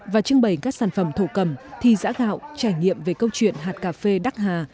và trưng bày các sản phẩm thổ cầm thi giã gạo trải nghiệm về câu chuyện hạt cà phê đắc hà